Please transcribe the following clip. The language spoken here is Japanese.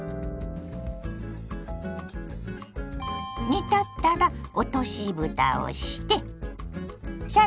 煮立ったら落としぶたをしてさらにふた。